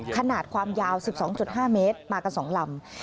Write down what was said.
ขนาดความยาว๑๒๕เมตรมากัน๒ลำ